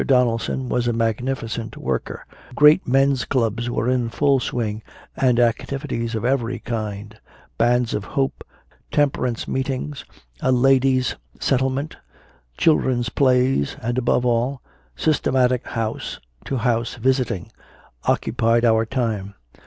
Donaldson was a magnificent worker; great men s clubs were in full swing, and activities of every kind Bands of Hope, Temperance Meet ings, a ladies settlement, children s plays, and, above all, systematic house to house visiting occupied our time.